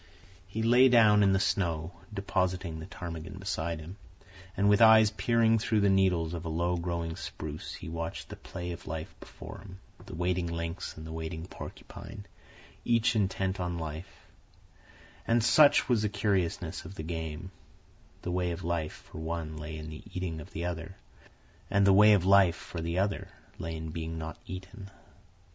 He lay down in the snow, depositing the ptarmigan beside him, and with eyes peering through the needles of a low growing spruce he watched the play of life before him—the waiting lynx and the waiting porcupine, each intent on life; and, such was the curiousness of the game, the way of life for one lay in the eating of the other, and the way of life for the other lay in being not eaten.